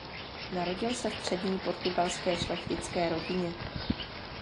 Narodil se v přední portugalské šlechtické rodině.